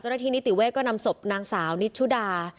เจ้าหน้าที่นิติเวก็นำสพนางสาวนิชชุดา